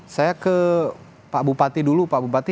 saya ke pak bupati dulu pak bupati